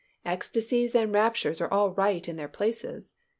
Ecstasies and raptures are all right in their places.